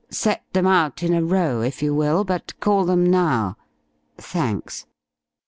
Set them out in a row, if you will, but call them now.... Thanks."